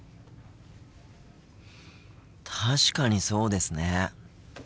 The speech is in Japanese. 確かにそうですね。